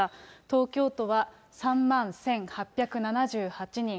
東京都は３万１８７８人、